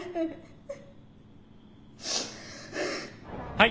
はい。